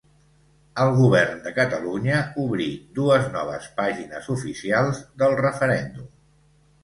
El Govern de Catalunya obrí dues noves pàgines oficials del referèndum.